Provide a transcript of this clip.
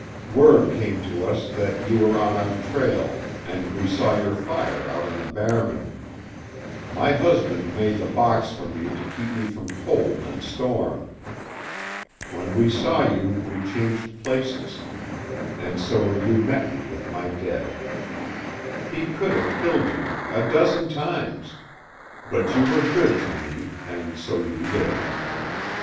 Word came to us that you were on our trail, and we saw your fire out on the Barren. My husband made the box for me to keep me from cold and storm. When we saw you we changed places, and so you met me with my dead. He could have killed you a dozen times, but you were good to me, and so you live.